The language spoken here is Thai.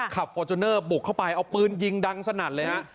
ฟอร์จูเนอร์บุกเข้าไปเอาปืนยิงดังสนั่นเลยฮะ